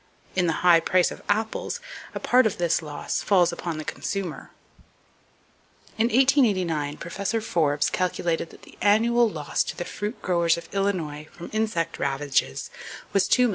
In the high price of apples, a part of this loss falls upon the consumer. In 1889 Professor Forbes calculated that the annual loss to the fruit growers of Illinois from insect ravages was $2,375,000.